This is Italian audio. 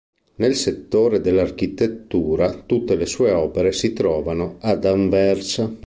Nel settore dell'architettura tutte le sue opere si trovano ad Anversa.